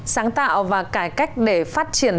sáng tạo và cải cách để phát triển